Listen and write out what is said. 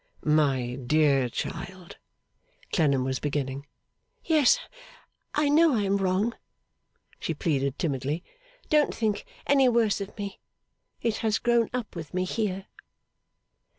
'My dear child ' Clennam was beginning. 'Yes, I know I am wrong,' she pleaded timidly, 'don't think any worse of me; it has grown up with me here.